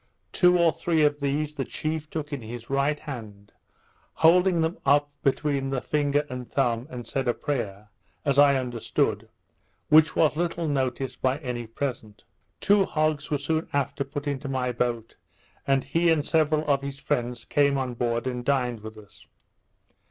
Two or three of these the chief took in his right hand, holding them up between the finger and thumb, and said a prayer, as I understood, which was little noticed by any present. Two hogs were soon after put into my boat, and he and several of his friends came on board and dined with us.